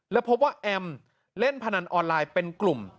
และพบว่าแอมเล่นพนันออนไลน์เป็นกลุ่ม